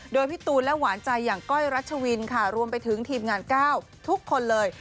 โดยพี่ตูนและหวานใจอย่างก้อยรัชวินค่ะรวมไปถึงทีมงาน๙ทุกคนเลย